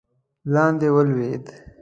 لاندې ولوېد.